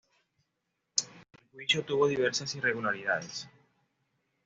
El juicio tuvo diversas irregularidades.